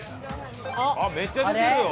あっめっちゃ出てるよ